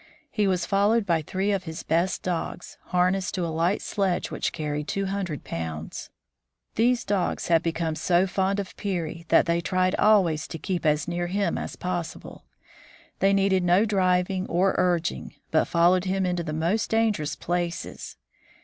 He was followed by three of his best dogs, harnessed to a light sledge which carried two hundred pounds. These dogs had become so fond of Peary that they tried always to keep as near him as possible. They needed no driving or urging, but followed him into the most dangerous places.